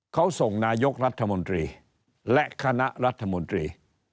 เขาส่งนายกรัฐมนตรีและคณะรัฐมนตรี